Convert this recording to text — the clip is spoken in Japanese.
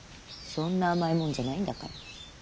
そんな甘いもんじゃないんだから。